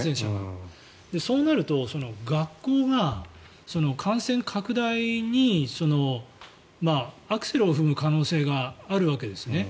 そうなると学校が感染拡大にアクセルを踏む可能性があるわけですね。